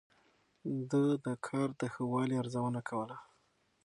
ده د کار د ښه والي ارزونه کوله.